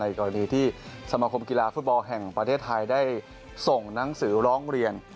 กรณีที่สมคมกีฬาฟุตบอลแห่งประเทศไทยได้ส่งหนังสือร้องเรียน